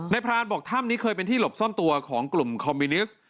พรานบอกถ้ำนี้เคยเป็นที่หลบซ่อนตัวของกลุ่มคอมมิวนิสต์